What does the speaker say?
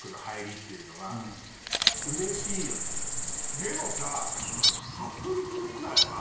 でもさぁ。